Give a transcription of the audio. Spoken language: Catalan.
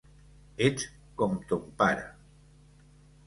Ets com ton pare.